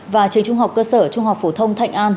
và trường trung học cơ sở trung học phổ thông thạnh an